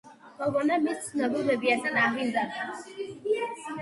გოგონა მის ცნობილ ბებიასთან აღიზარდა.